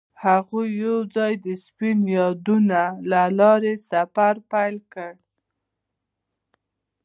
هغوی یوځای د سپین یادونه له لارې سفر پیل کړ.